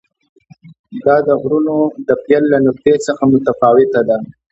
دا د غرونو د پیل له نقطې څخه متفاوته ده.